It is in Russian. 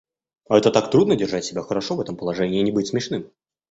А это так трудно держать себя хорошо в этом положении — не быть смешным.